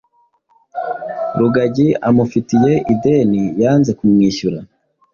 rugagi amufiteye ideni yanze kumwishyura